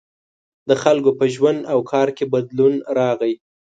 • د خلکو په ژوند او کار کې بدلون راغی.